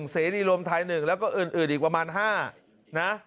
เสรีรวมไทย๑แล้วก็อื่นอีกประมาณ๕นะ